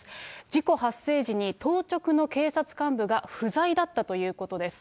事故発生時に当直の警察幹部が不在だったということです。